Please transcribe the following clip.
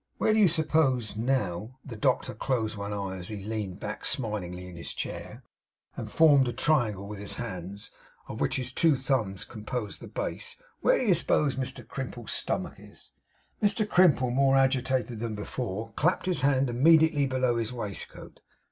Where do you suppose, now' the doctor closed one eye, as he leaned back smilingly in his chair, and formed a triangle with his hands, of which his two thumbs composed the base 'where do you suppose Mr Crimple's stomach is?' Mr Crimple, more agitated than before, clapped his hand immediately below his waistcoat.